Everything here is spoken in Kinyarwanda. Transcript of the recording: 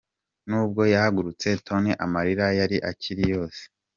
Nubwo yahaguritse Tonny amarira yari akiri yose .